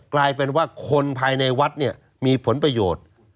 กลายเป็นว่าคนภายในวัดเนี่ยมีผลประโยชน์